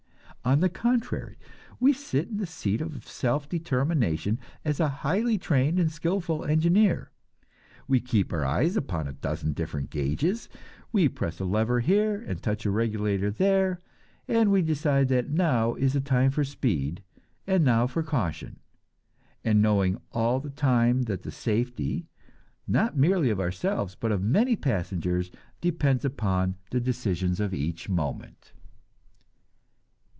On the contrary, we sit in the seat of self determination as a highly trained and skillful engineer. We keep our eyes upon a dozen different gauges; we press a lever here and touch a regulator there; we decide that now is a time for speed, and now for caution; and knowing all the time that the safety, not merely of ourselves, but of many passengers, depends upon the decisions of each moment.